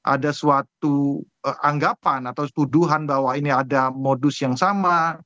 ada suatu anggapan atau tuduhan bahwa ini ada modus yang sama